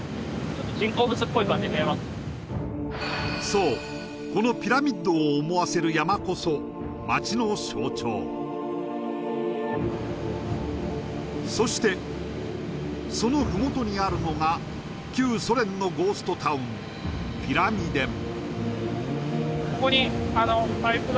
そうこのピラミッドを思わせる山こそ町の象徴そしてそのふもとにあるのが旧ソ連のゴーストタウンピラミデン